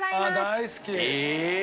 大好き！